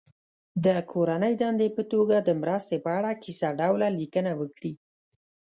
د کورنۍ دندې په توګه د مرستې په اړه کیسه ډوله لیکنه وکړي.